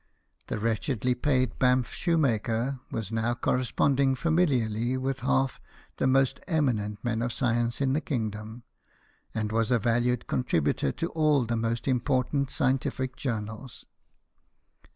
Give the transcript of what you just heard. The wretchedly paid Banff shoemaker was now corresponding familiarly with half the most eminent men of science in the kingdom, and was a valued contributor to all the most im portant scientific journals.